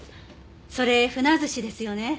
それ鮒寿司ですよね。